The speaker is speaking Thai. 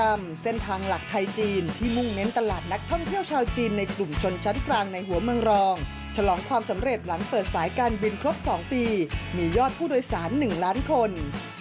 มันมีความสำเร็จหลังเปิดสายการบินครบ๒ปีมียอดผู้โดยสาร๑ล้านคน